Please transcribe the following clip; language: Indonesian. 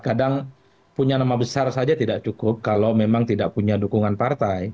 kadang punya nama besar saja tidak cukup kalau memang tidak punya dukungan partai